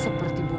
seperti bu murni